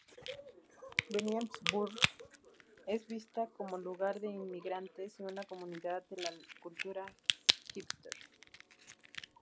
Williamsburg es vista como lugar de inmigrantes y una comunidad de la cultura "hipster".